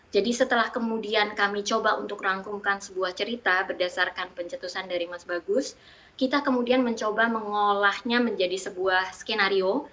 jadi setelah kemudian kami coba untuk rangkumkan sebuah cerita berdasarkan pencetusan dari mas bagus kita kemudian mencoba mengolahnya menjadi sebuah skenario